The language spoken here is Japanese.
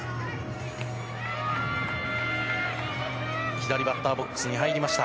左バッターボックスに入りました。